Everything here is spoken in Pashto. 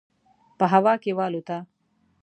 په هوا کې والوته.